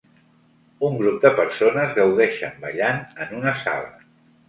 Un grup de persones gaudeixen ballant en una sala.